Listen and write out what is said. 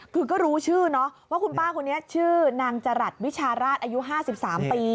คือก็รู้ชื่อเนอะว่าคุณป้าคนนี้ชื่อนางจรัสวิชาราชอายุ๕๓ปี